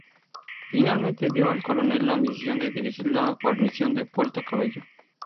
Finalmente dio al coronel la misión de dirigir la guarnición de Puerto Cabello.